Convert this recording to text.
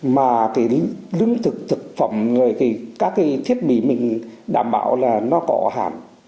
mà cái lương thực thực phẩm các cái thiết bị mình đảm bảo là nó có ở hàn